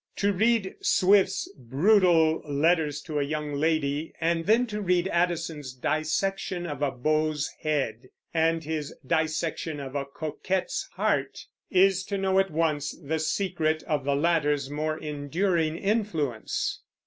To read Swift's brutal "Letters to a Young Lady," and then to read Addison's "Dissection of a Beau's Head" and his "Dissection of a Coquette's Heart," is to know at once the secret of the latter's more enduring influence.